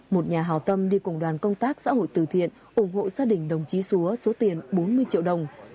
một nhà hào tâm đi cùng đoàn công tác xã hội từ thiện ủng hộ gia đình đồng chí xúa số tiền bốn mươi triệu đồng